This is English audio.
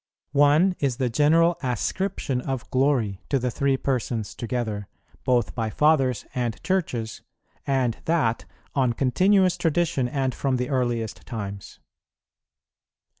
One is the general ascription of glory to the Three Persons together, both by fathers and churches, and that on continuous tradition and from the earliest times.